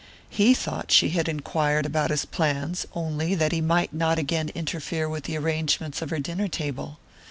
He thought she had enquired about his plans only that he might not again interfere with the arrangements of her dinner table.